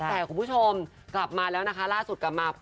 แต่คุณผู้ชมกลับมาแล้วนะคะล่าสุดกลับมา